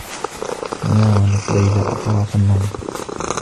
تناولت ليلى أقراص النّوم.